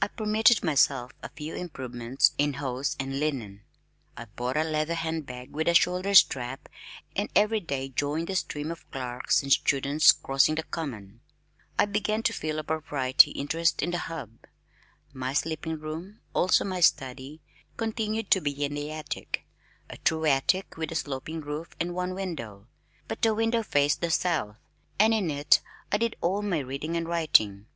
I permitted myself a few improvements in hose and linen. I bought a leather hand bag with a shoulder strap, and every day joined the stream of clerks and students crossing the Common. I began to feel a proprietary interest in the Hub. My sleeping room (also my study), continued to be in the attic (a true attic with a sloping roof and one window) but the window faced the south, and in it I did all my reading and writing.